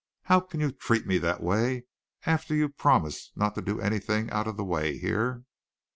How can you treat me that way after your promise not to do anything out of the way here?"